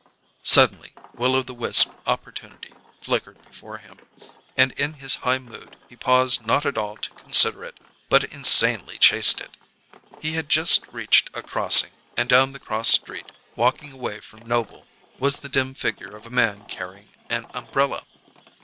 Suddenly will o' the wisp opportunity flickered before him, and in his high mood he paused not at all to consider it, but insanely chased it. He had just reached a crossing, and down the cross street, walking away from Noble, was the dim figure of a man carrying an umbrella.